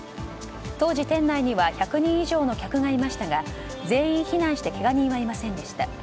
当時、店内には１００人以上の客がいましたが全員避難してけが人はいませんでした。